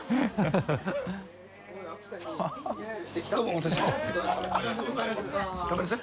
大雅Ｄ）ありがとうございます。